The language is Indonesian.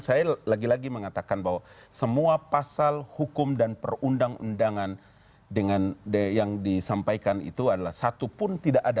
saya lagi lagi mengatakan bahwa semua pasal hukum dan perundang undangan yang disampaikan itu adalah satupun tidak ada